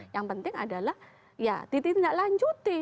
yang penting adalah ya titik titik enggak lanjuti